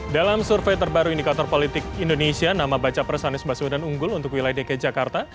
dalam survei terbaru indikator politik indonesia nama baca pres anies baswedan unggul untuk wilayah dki jakarta